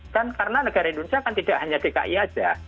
kan karena negara indonesia kan tidak hanya dki saja